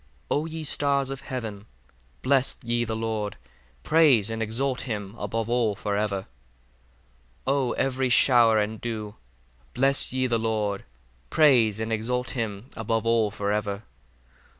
41 O ye stars of heaven, bless ye the Lord: praise and exalt him above all for ever. 42 O every shower and dew, bless ye the Lord: praise and exalt him above all for ever.